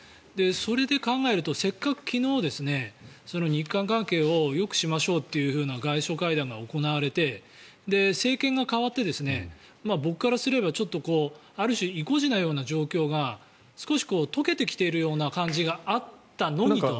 それで考えるとせっかく昨日日韓関係をよくしましょうという外相会談が行われて政権が代わって僕からすればちょっとある種、意固地のような状況が少し溶けてきているような感じがあったのにと。